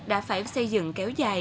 đã phải xây dựng kéo dài